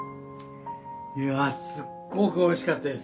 いやすっごくおいしかったです。